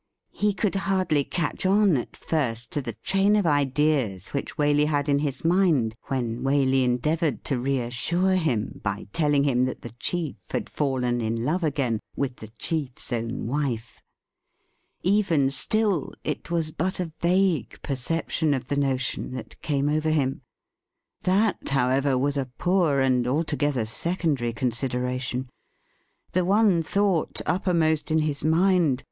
He could hardly catch on at first to the train of ■ideas which Waley had in his mind when Waley en 'deavoured to reassure him by telling him that the chief •had fallen in love a,gain with the chief's own wife. Even ;still it was but a vague perception of the notion that 'came over him. That, however, was a poor and altogether isecondary consideration. The one thought uppermost in WHAT WALEY DID WITH HIMSELF 255 his mind .